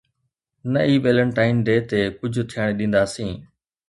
نه ئي Valentine Day تي ڪجهه ٿيڻ ڏينداسين.